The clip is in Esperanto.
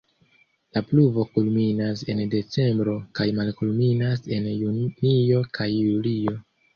La pluvo kulminas en decembro kaj malkulminas en junio kaj julio.